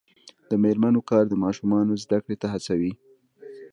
د میرمنو کار د ماشومانو زدکړې ته هڅوي.